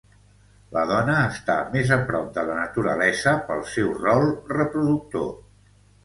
La dona està més a prop de la naturalesa pel seu rol reproductor.